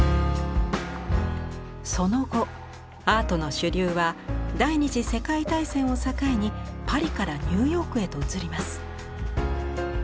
その後アートの主流は第二次世界大戦を境にパリからニューヨークへと移ります。